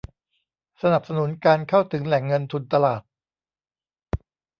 สนับสนุนการเข้าถึงแหล่งเงินทุนตลาด